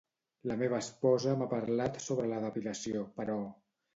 La meva esposa m'ha parlat sobre la depilació, però….